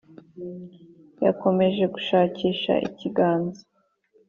yakomeje gushakisha ikiganza,